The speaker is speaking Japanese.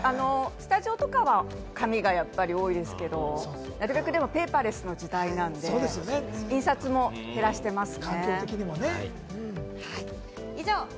スタジオとかは紙がやっぱり多いですけど、なるべくでも、ペーパーレスの時代なので印刷も減らしてますね。